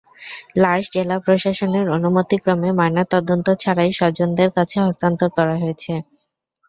লাশ জেলা প্রশাসনের অনুমতিক্রমে ময়নাতদন্ত ছাড়াই স্বজনদের কাছে হস্তান্তর করা হয়েছে।